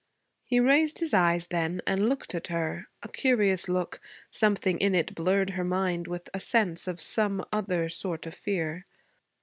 He raised his eyes then and looked at her; a curious look. Something in it blurred her mind with a sense of some other sort of fear.